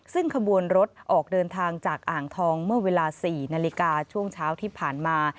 ซึ่งขบวนรถออกเดินทางจากอ่างทองเมื่อเวลา๔นาฬิกาช่วงเช้าที่ผ่านมา